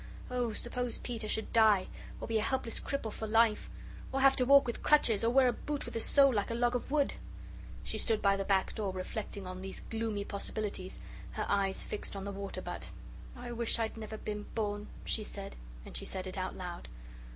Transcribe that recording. "Oh, suppose Peter should die, or be a helpless cripple for life, or have to walk with crutches, or wear a boot with a sole like a log of wood!" She stood by the back door reflecting on these gloomy possibilities, her eyes fixed on the water butt. "I wish I'd never been born," she said, and she said it out loud.